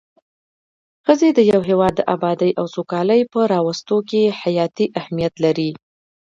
ښځی د يو هيواد د ابادي او سوکالي په راوستو کي حياتي اهميت لري